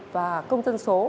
và công dân số